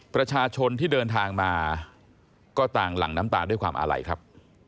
ประชาชนที่เดินทางมาก็ต่างหลั่งน้ำตาด้วยความอาลัยครับ